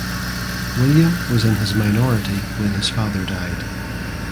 William was in his minority when his father died.